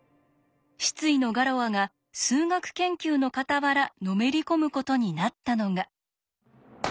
失意のガロアが数学研究のかたわらのめり込むことになったのが。